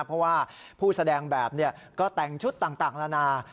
เพราะว่าผู้แสดงแบบก็แต่งชุดต่างละนา